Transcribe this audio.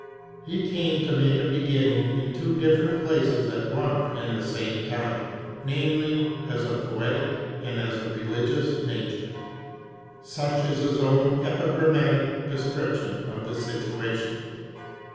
He came to make a beginning in two different places at one and the same time, namely, as a poetic and as a religious nature; such is his own epigrammatic de scription of the situation.